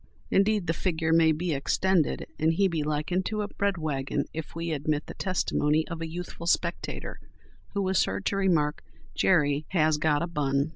Indeed, the figure may be extended and he be likened to a bread waggon if we admit the testimony of a youthful spectator, who was heard to remark "Jerry has got a bun."